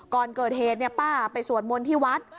ก่อนเกิดเหตุป้าไปสวดมนต์ที่วัด